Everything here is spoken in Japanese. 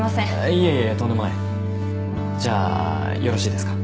いえいえとんでもないじゃあよろしいですか？